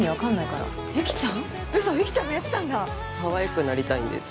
かわいくなりたいんです。